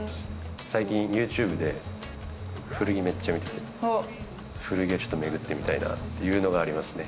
最近、ユーチューブで古着めっちゃ見ていて、古着屋をちょっと巡ってみたいなっていうのはありますね。